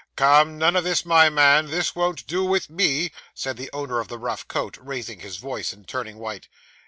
'Come, none of this, my man; this won't do with me,' said the owner of the rough coat, raising his voice, and turning white.